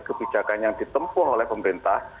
kebijakan yang ditempuh oleh pemerintah